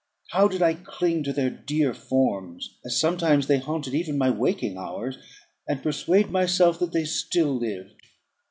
how did I cling to their dear forms, as sometimes they haunted even my waking hours, and persuade myself that they still lived!